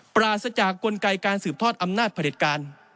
ปราศจากกลไกการสืบทอดอำนาจผลิตการ